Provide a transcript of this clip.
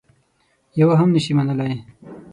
یوه هم نه شي منلای.